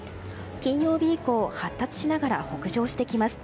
金曜日以降発達しながら北上してきます。